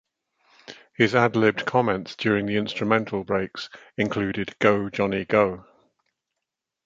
His ad-libbed comments during the instrumental breaks - including Go, Johnny, go!